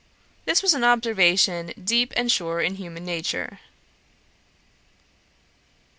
"' This was an observation deep and sure in human nature.